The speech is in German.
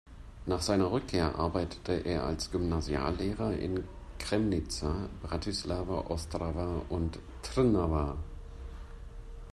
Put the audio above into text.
Nach seiner Rückkehr arbeitete er als Gymnasiallehrer in Kremnica, Bratislava, Ostrava und Trnava.